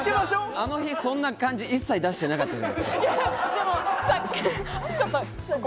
あの日、そんな感じは一切出してなかったじゃないですか。